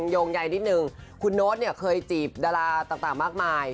โยงใยนิดนึงคุณโน๊ตเนี่ยเคยจีบดาราต่างมากมาย